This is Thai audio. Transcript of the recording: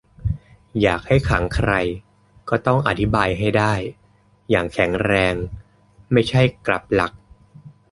อยากให้ขังใคร ก็ต้องอธิบายให้ได้อย่างแข็งแรง - ไม่ใช่กลับหลัก